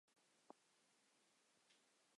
窄瓣毛茛为毛茛科毛茛属下的一个种。